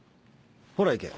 ほら行け。